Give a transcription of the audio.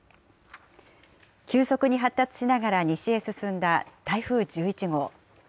急速に発達しながら西へ進んだ台風１１号。